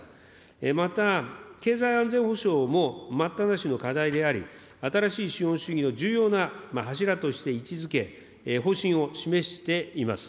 また、経済安全保障も待ったなしの課題であり、新しい資本主義の重要な柱として位置づけ、方針を示しています。